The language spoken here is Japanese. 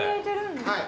はい。